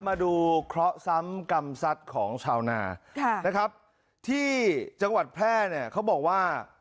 มาดูเคราะห์ซ้ำกรรมสัตว์ของชาวนาที่จังหวัดแพร่เขาบอกว่า